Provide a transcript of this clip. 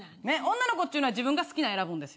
女の子っちゅうのは自分が好きなの選ぶんです。